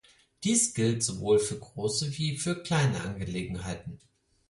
Dies gilt sowohl für große wie für kleine Angelegenheiten.